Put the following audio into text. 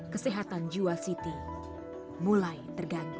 kesehatan jiwa siti mulai terganggu